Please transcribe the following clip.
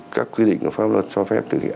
các quy định của pháp luật cho phép thực hiện